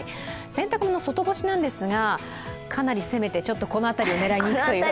洗濯物外干しなんですが、かなり攻めてちょっとこの辺りを狙いにいくという？